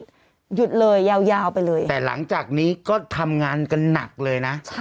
หยุดเลยยาวไปเลยแต่หลังจากนี้ก็ทำงานกันหนักเลยนะ